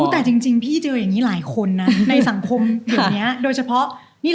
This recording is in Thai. แต่จริงพี่เจออย่างนี้หลายคนน่ะในสังคมอยู่เนี้ย